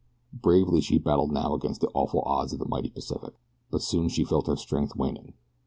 Bravely she battled now against the awful odds of the mighty Pacific, but soon she felt her strength waning.